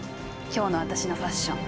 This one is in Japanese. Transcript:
今日の私のファッション。